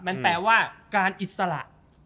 มันแปลว่าการอิสระ